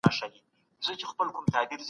له بې وزلو سره پاته سئ.